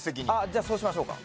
じゃあそうしましょうか。